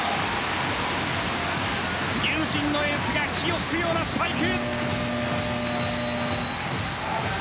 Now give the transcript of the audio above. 龍神のエースが火を噴くようなスパイク。